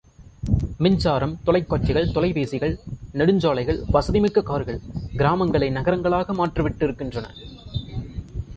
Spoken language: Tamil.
மின்சாரம், தொலைக் காட்சிகள், தொலைபேசிகள், நெடுஞ்சாலைகள், வசதிமிக்க கார்கள் கிராமங்களை நகரங்களாக மாற்றிவிட்டு இருக்கின்றன.